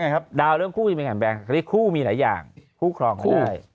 นะครับดาวเรื่องคู่มีหลายอย่างคู่มีหลายอย่างคู่ครองก็ได้